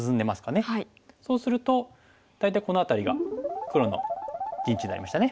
そうすると大体この辺りが黒の陣地になりましたね。